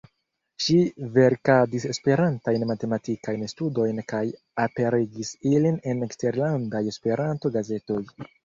Ŝi verkadis Esperantajn matematikajn studojn kaj aperigis ilin en eksterlandaj Esperanto-gazetoj.